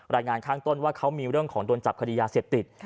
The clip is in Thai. รายงานข้างต้นว่าเขามีเรื่องของโดนจับคดียาเสพติด